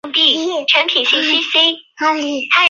凤鸣古冢的历史年代为宋代。